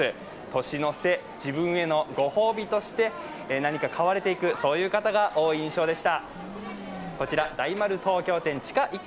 年の瀬、自分へのご褒美として何か買われていく方が多い印象でした。